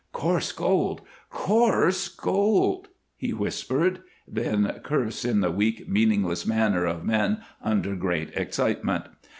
"Coarse gold! Coarse gold!" he whispered, then cursed in the weak, meaningless manner of men under great excitement.